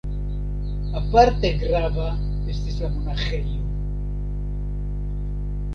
Aparte grava estis la monaĥejo.